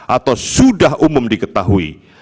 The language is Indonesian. atau sudah umum diketahui